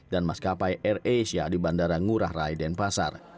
dan maskapai air asia di bandara ngurah rai denpasar